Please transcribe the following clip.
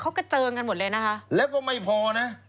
เขากระเจิงกันหมดเลยนะคะแล้วก็ไม่พอนะ